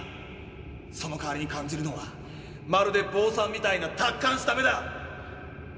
そのかわりに感じるのはまるで坊さんみたいな達観した目だ。